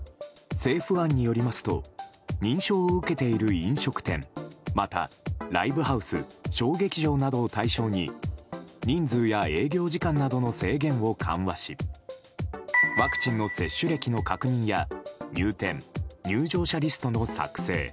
政府案によりますと認証を受けている飲食店また、ライブハウス小劇場などを対象に人数や営業時間などの制限を緩和しワクチンの接種歴の確認や入店・入場者リストの作成